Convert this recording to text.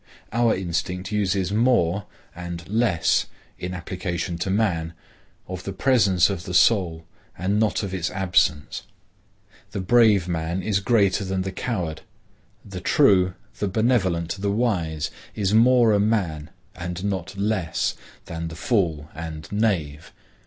Our instinct uses "more" and "less" in application to man, of the presence of the soul, and not of its absence, the brave man is greater than the coward; the true, the benevolent, the wise, is more a man and not less, than the fool and knave.